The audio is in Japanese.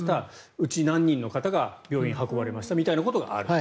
うち何十人かが病院に運ばれましたということがある。